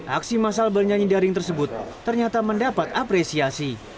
aksi masal bernyanyi daring tersebut ternyata mendapat apresiasi